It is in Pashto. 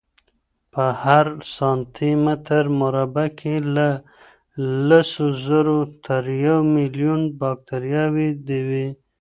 په هر سانتي متر مربع کې له لسو زرو تر یو میلیون باکتریاوې وي.